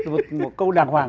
một câu đàng hoàng